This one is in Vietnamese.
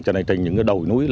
cho nên trên những cái đồi núi